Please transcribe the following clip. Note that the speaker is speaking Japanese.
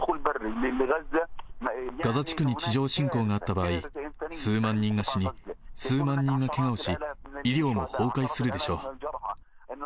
ガザ地区に地上侵攻があった場合、数万人が死に、数万人がけがをし、医療も崩壊するでしょう。